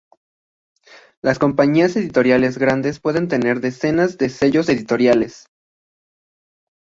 Las compañías editoriales grandes pueden tener decenas de sellos editoriales.